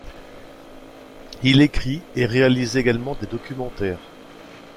Il écrit et réalise également des documentaires.